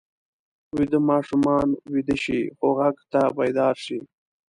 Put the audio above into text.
ویده ماشومان ویده شي خو غږ ته بیدار شي